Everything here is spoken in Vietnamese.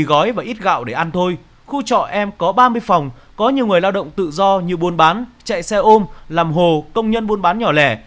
một mươi gói và ít gạo để ăn thôi khu trọ em có ba mươi phòng có nhiều người lao động tự do như buôn bán chạy xe ôm làm hồ công nhân buôn bán nhỏ lẻ